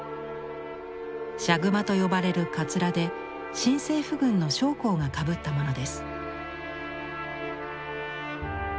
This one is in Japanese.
シャグマと呼ばれるかつらで新政府軍の将校がかぶったものです。